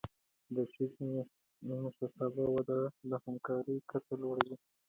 د ښځینه مشرتابه وده د همکارۍ کچه لوړوي.